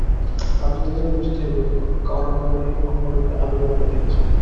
কার্য দেখিলেই বুঝিতে হইবে, উহা কারণেরই অন্যরূপে আবির্ভাব ঘটিয়াছে।